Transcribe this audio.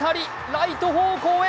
ライト方向へ。